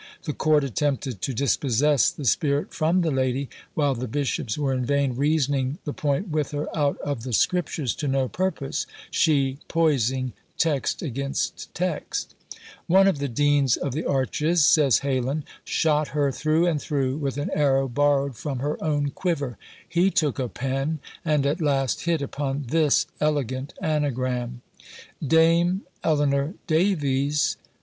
The court attempted to dispossess the spirit from the lady, while the bishops were in vain reasoning the point with her out of the scriptures, to no purpose, she poising text against text: one of the deans of the Arches, says Heylin, "shot her thorough and thorough with an arrow borrowed from her own quiver:" he took a pen, and at last hit upon this elegant anagram: DAME ELEANOR DAVIES.